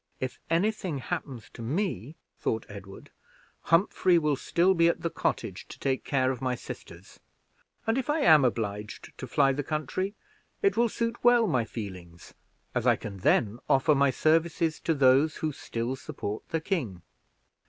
"If any thing happens to me," thought Edward, "Humphrey will still be at the cottage to take care of my sisters; and if I am obliged to fly the country, it will suit well my feelings, as I can then offer my services to those who still support the king."